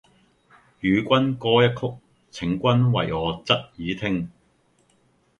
與君歌一曲，請君為我側耳聽！